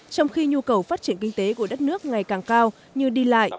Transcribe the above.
trong khi nhu cầu phát triển kinh tế của đất nước ngày càng cao như đi lại